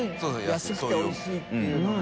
發安くておいしいっていうのが。